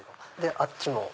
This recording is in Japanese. あっちも。